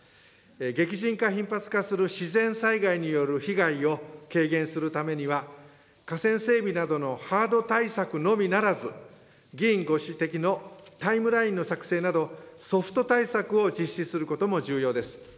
激甚化、頻発化する自然災害による被害を軽減するためには、河川整備などのハード対策のみならず、議員ご指摘のタイムラインの作成など、ソフト対策を実施することも重要です。